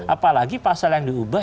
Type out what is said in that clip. apalagi pasal yang diubah